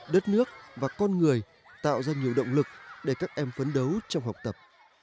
đất nước và con người tạo ra nhiều động lực để các em phấn đấu trong học tập